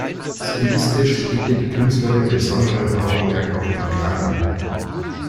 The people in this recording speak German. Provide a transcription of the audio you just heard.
Stilistisch legte die Künstlerin besonderes Augenmerk auf die Lianen.